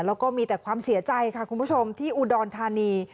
แล้วก็มีแต่ความเสียใจค่ะคุณผู้ชมที่อุดรธานี